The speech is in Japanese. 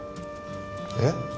えっ？